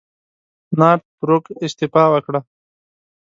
نارت بروک استعفی وکړه.